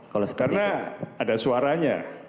karena ada suaranya